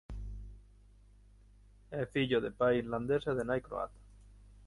É fillo de pai irlandés e de nai croata.